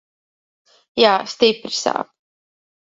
Jā, stipri sāp.